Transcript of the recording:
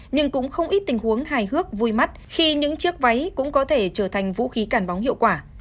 nhưng cũng không ít tình huống hài hước vui mắt khi những chiếc váy cũng có thể trở thành vũ khí cản bóng hiệu quả